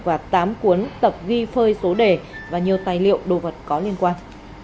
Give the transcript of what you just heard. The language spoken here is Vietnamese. và tám cuốn tập ghi phơi số đề và nhiều tài liệu đồ vật có liên quan